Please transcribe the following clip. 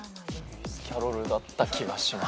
ルイス・キャロルだった気がします。